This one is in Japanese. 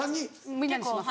みんなにしてます。